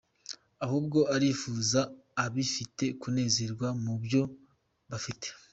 Ahubwo arifuriza abifite kunezerwa mu byo bafite.